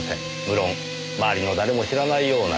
無論周りの誰も知らないような理由